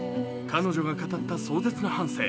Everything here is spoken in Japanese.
彼女が語った壮絶な半生。